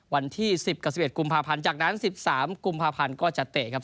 วันที่สิบกับสิบเอ็ดกุมภาพันธ์จากนั้นสิบสามกุมภาพันธ์ก็จะเตะครับ